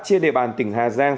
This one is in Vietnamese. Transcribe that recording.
trên đề bàn tỉnh hà giang